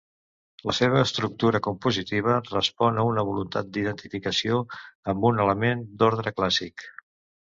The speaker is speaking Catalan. La seva estructura compositiva respon a una voluntat d'identificació amb un element d'ordre clàssic.